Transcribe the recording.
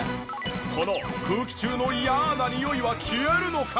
この空気中の嫌なにおいは消えるのか？